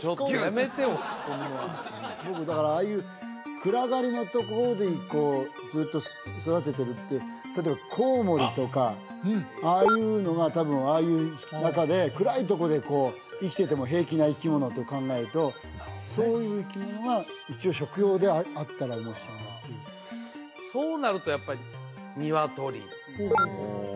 やめて押し込むのは僕だからああいう暗がりのところでこうずっと育ててるって例えばコウモリとかああいうのが多分ああいう中で暗いとこで生きてても平気な生き物と考えるとそういう生き物が一応食用であったら面白いなっていうそうなるとやっぱりニワトリうん